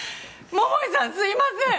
桃井さんすいません！